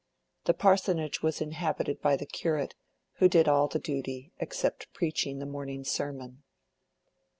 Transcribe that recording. The parsonage was inhabited by the curate, who did all the duty except preaching the morning sermon.